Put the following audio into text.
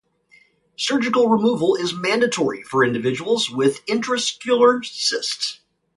Surgical removal is mandatory for individuals with intraoscular cysts.